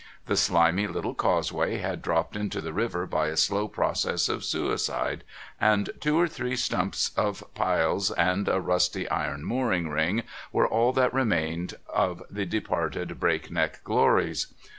The slimy little causeway had dropped into the river by a slow process of suicide, and two or three stumps of piles and a rusty iron mooring ring were all that remained of the departed Break Neck glories.